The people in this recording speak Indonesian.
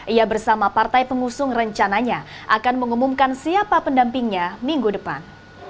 ia bersama partai pengusung rencananya akan mengumumkan siapa pendampingnya minggu depan